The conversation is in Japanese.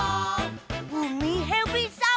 「ウミヘビさん」